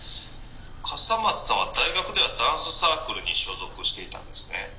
笠松さんは大学ではダンスサークルに所属していたんですね」。